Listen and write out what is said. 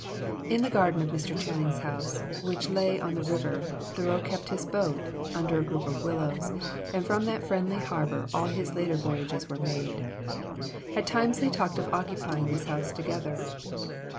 In the garden of Mr. Channing's house, which lay on the river, Thoreau kept his boat, under a group of willows, and from that friendly harbor all his later voyages were made. At times they talked of occupying this house together.